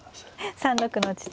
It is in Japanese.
３六の地点。